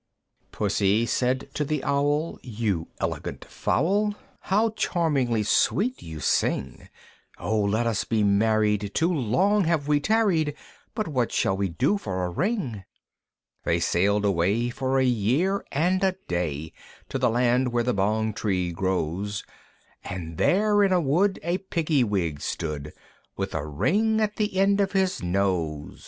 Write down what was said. Pussy said to the Owl, "You elegant fowl! How charmingly sweet you sing! O let us be married! too long we have tarried: But what shall we do for a ring?" They sailed away for a year and a day, To the land where the Bong tree grows, And there in a wood a Piggy wig stood, With a ring at the end of his nose.